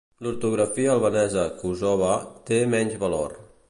L'ortografia albanesa "Kosova" té menys valor.